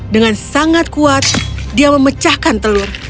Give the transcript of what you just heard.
dengan sangat kuat dia memecahkan telur